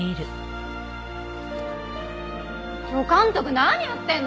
助監督何やってんの？